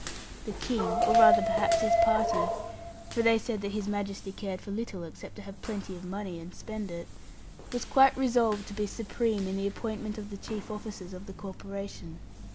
The King, or rather perhaps his party (for they said that His Majesty cared for little except to have plenty of money and spend it), was quite resolved to be supreme in the appointment of the chief officers of the corporation.